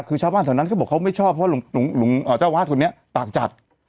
คือชาวบ้านแถวนั้นก็บอกเขาไม่ชอบเพราะว่าหลุงหลุงหลุงอ่าเจ้าวาดคนเนี้ยตากจัด